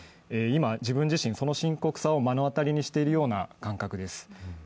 今、自分自身、その深刻さを目の当たりにしているような感覚です。